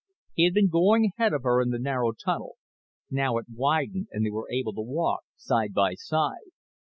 He had been going ahead of her in the narrow tunnel. Now it widened and they were able to walk side by side.